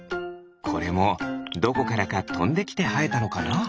これもどこからかとんできてはえたのかな？